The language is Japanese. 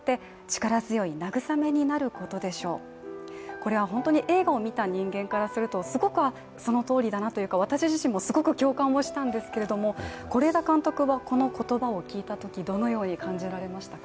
これは本当に映画を見た人間からするとすごくそのとおりだなというか私自身もすごく共感をしたんですけれども是枝監督はこの言葉を聞いたときどのように感じられましたか。